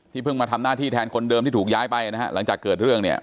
ที่เพิ่งมาทำหน้าที่แทนคนเดิมที่ถูกย้ายไปหลังจากเกิดเรื่อง